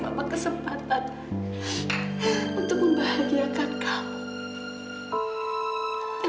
mama pasti bisa membahagiakan kamu